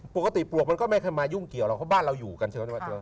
ปกติปลวกมันก็ไม่ค่อยมายุ่งเกี่ยวหรอกเพราะบ้านเราอยู่กันใช่ไหม